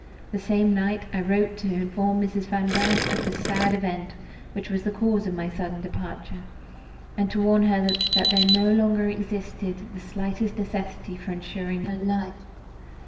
The same night I wrote to inform Mrs. Van Brandt of the sad event which was the cause of my sudden departure, and to warn her that there no longer existed the slightest necessity for insuring her life.